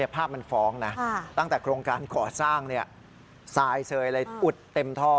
ภาพมันฟ้องนะตั้งแต่โครงการก่อสร้างทรายเซยเลยอุดเต็มท่อ